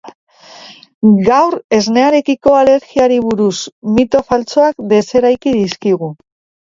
Gaur esnearekiko alergiari buruzko mito faltsuak deseraiki dizkigu.